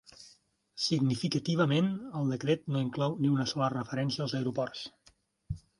Significativament, el decret no inclou ni una sola referència als aeroports.